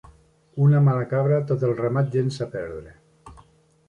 Una mala cabra tot el ramat llença a perdre.